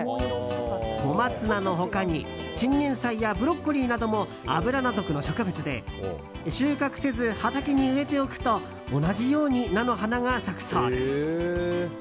コマツナの他にチンゲンサイやブロッコリーなどもアブラナ属の植物で収穫せず、畑に植えておくと同じように菜の花が咲くそうです。